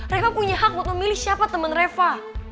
reva punya hak buat memilih siapa temen reva